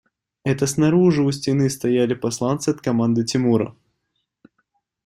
Это снаружи у стены стояли посланцы от команды Тимура.